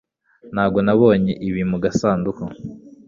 Ntabwo nabonye ibiri mu gasanduku